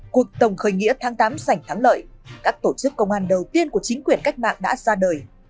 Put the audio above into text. cuộc tổng khởi nghĩa tháng tám sảnh thắng lợi các tổ chức công an đầu tiên của chính quyền cách mạng đã ra đời